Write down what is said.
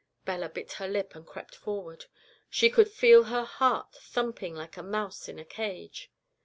Bella bit her lip and crept forward. She could feel her heart jumping like a mouse in a cage.